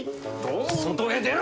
外へ出ろ！